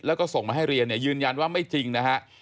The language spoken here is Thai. แล้วก็ส่งมาให้เรียนเนี่ยยืนยันว่าไม่จริงนะฮะ